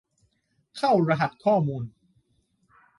เข้ารหัสข้อมูล